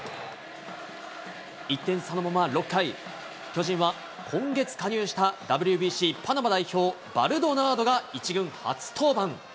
１点差のまま、６回、巨人は、今月加入したＷＢＣパナマ代表のバルドナードが、１軍初登板。